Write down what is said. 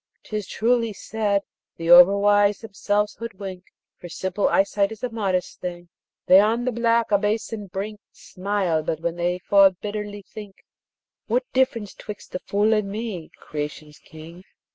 'Tis truly said: The overwise themselves hoodwink, For simple eyesight is a modest thing: They on the black abysm's brink Smile, and but when they fall bitterly think, What difference 'twixt the fool and me, Creation's King?